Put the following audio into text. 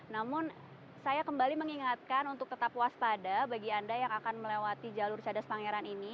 namun saya kembali mengingatkan untuk tetap waspada bagi anda yang akan melewati jalur cadas pangeran ini